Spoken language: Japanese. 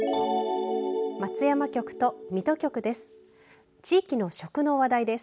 松山局と水戸局です。